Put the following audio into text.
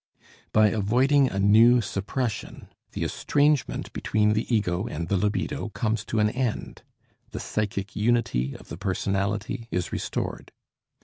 By avoiding a new suppression the estrangement between the ego and the libido comes to an end, the psychic unity of the personality is restored.